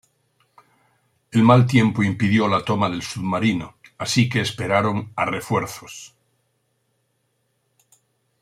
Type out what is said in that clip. El mal tiempo impidió la toma del submarino, así que esperaron a refuerzos.